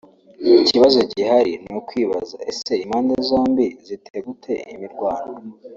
ikibazo gihari ni ukwibaza ese impande zombi zitegute imirwano